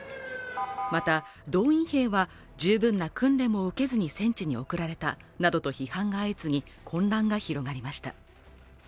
また動員兵は十分な訓練も受けずに戦地に送られたなどと批判が相次ぎ混乱が広がりました